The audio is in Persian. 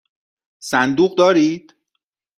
صندوق دارید؟